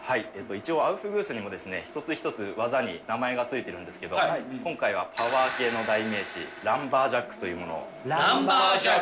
一応アウフグースにも一つ一つ技に名前が付いてるんですけど、今回はパワー系の代名詞、ランバージャック。